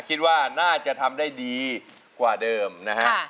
คิดว่าน่าจะทำได้ดีกว่าเดิมนะฮะ